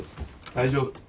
大丈夫。